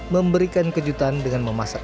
memberikan kejutan dengan mengatakan